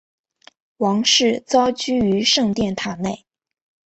王室遭拘于圣殿塔内。